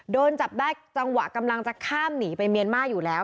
โดนจับได้จังหวะกำลังจะข้ามหนีไปเมียนมาร์อยู่แล้ว